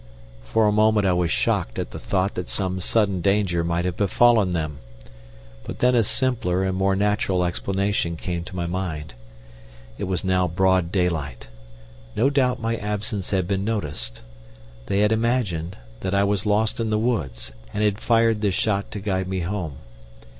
For a moment I was shocked at the thought that some sudden danger might have befallen them. But then a simpler and more natural explanation came to my mind. It was now broad daylight. No doubt my absence had been noticed. They had imagined, that I was lost in the woods, and had fired this shot to guide me home.